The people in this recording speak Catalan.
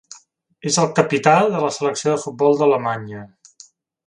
És el capità de la selecció de futbol d'Alemanya.